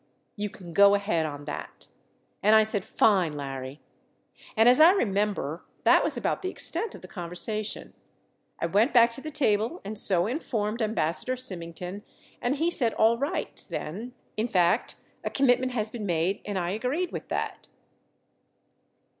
You can go ahead on that. And I said, fine, Larry. And as I remember, that was about the extent of the conversation. I went back to the table and so informed Ambassador Symington and he said, alright, then, in fact, a commitment has been made and I agreed with that.